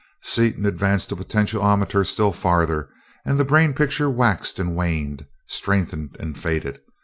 Seaton advanced the potentiometer still farther, and the brain picture waxed and waned, strengthened and faded.